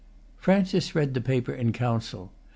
Francis read the paper in Council.